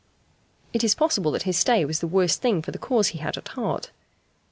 It is possible that his stay was the worst thing for the cause he had at heart.